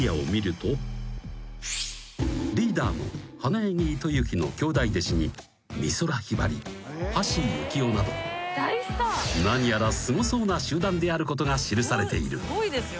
［リーダーの花柳糸之の兄弟弟子に美空ひばり橋幸夫など何やらすごそうな集団であることが記されている］